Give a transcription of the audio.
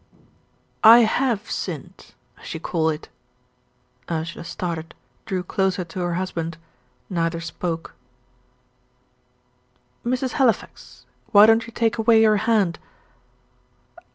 "I HAVE 'sinned,' as you call it." Ursula started drew closer to her husband. Neither spoke. "Mrs. Halifax, why don't you take away your hand?"